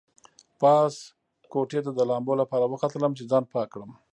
پاس کوټې ته د لامبو لپاره وختلم چې ځان پاک کړم.